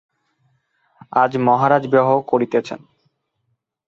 আজ মহারাজ বিবাহ করিতেছেন।